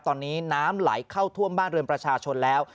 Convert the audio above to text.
ตอนนี้น้ำไหลเข้าท่วมบ้านเรือนประชาชนแล้ว